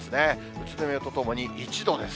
宇都宮とともに１度です。